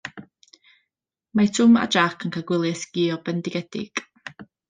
Mae Twm a Jac yn cael gwyliau sgïo bendigedig.